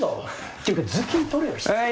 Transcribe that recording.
っていうか頭巾取れよ失礼だろ！